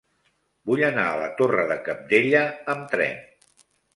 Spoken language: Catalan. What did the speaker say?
Vull anar a la Torre de Cabdella amb tren.